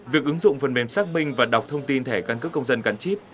việc ứng dụng phần mềm xác minh và đọc thông tin thẻ căn cước công dân gắn chip